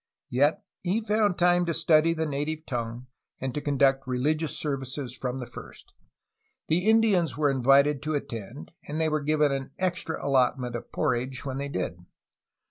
Yet he found time to study the native tongue and to conduct religious services from the first. The Indians were invited to attend, and were given an extra allotment of porridge when they did.